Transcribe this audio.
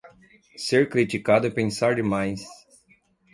Ser criticado é pensar demais